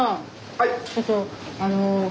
はい。